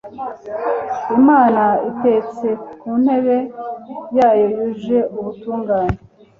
imana itetse ku ntebe yayo yuje ubutungane